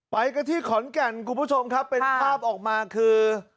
ไปกันที่ขอนแก่นคุณผู้ชมครับเป็นภาพออกมาคือ